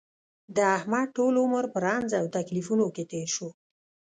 د احمد ټول عمر په رنځ او تکلیفونو کې تېر شو.